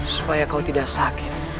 supaya kau tidak sakit